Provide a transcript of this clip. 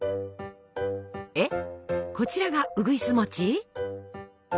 えっこちらがうぐいす餅？